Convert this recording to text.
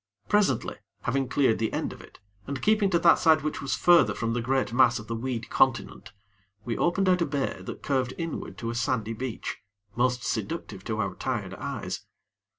Presently, having cleared the end of it, and keeping to that side which was further from the great mass of the weed continent, we opened out a bay that curved inward to a sandy beach, most seductive to our tired eyes.